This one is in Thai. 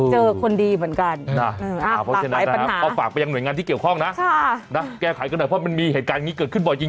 คนดีเหมือนกันนะพอฝากไปยังหน่วยงานที่เกี่ยวข้องนะแก้ไขกันหน่อยเพราะมันมีเหตุการณ์อย่างนี้เกิดขึ้นบ่อยจริง